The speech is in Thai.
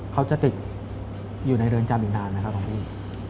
เขาจะติดอยู่ในเรือนจำอีกนานไหมครับหลวงพี่